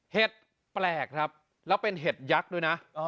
แปลกครับแล้วเป็นเห็ดยักษ์ด้วยนะ